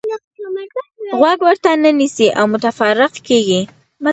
غوږ ورته نه نیسئ او متفرق کېږئ.